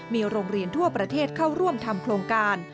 มีโรงเรียนทั่วประเทศเข้าร่วมทำโครงการ